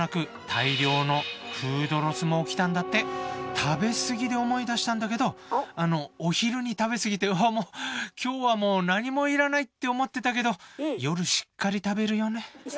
「食べ過ぎ」で思い出したんだけどあのお昼に食べ過ぎて「うわもう今日はもう何も要らない」って思ってたけど夜しっかり食べるよね。